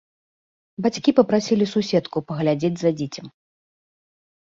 Бацькі папрасілі суседку паглядзець за дзіцем.